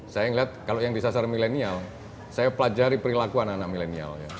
saya melihat kalau yang disasar milenial saya pelajari perilaku anak anak milenial